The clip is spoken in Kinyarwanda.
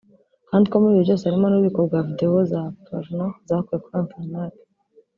kandi ko muri ibyo byose harimo n’ububiko bwa videwo za « porno » zakuwe kuri internet